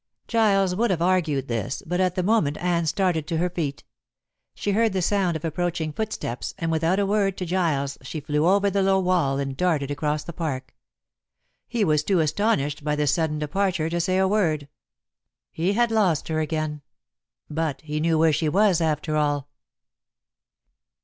Giles would have argued this, but at the moment Anne started to her feet. She heard the sound of approaching footsteps, and without a word to Giles she flew over the low wall and darted across the park. He was too astonished by this sudden departure to say a word. He had lost her again. But he knew where she was after all.